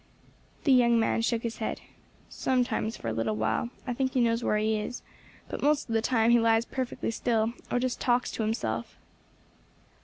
The young man shook his head. "Sometimes, for a little while, I think he knows where he is, but most of the time he lies perfectly still, or just talks to himself.